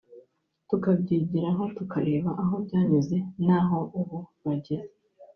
tukabyigiraho tukareba aho byanyuze naho ubu bageze